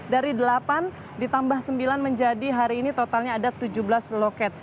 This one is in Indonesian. dari delapan ditambah sembilan menjadi hari ini totalnya ada tujuh belas loket